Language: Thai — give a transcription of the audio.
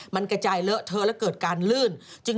มันกระจายเลอะเทอะและเกิดการลื่น